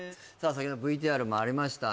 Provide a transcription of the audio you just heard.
先ほどＶＴＲもありましたえっ？